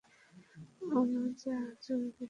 অনুযা, জলদি চল।